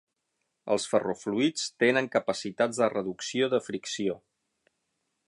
Els ferrofluids tenen capacitats de reducció de fricció.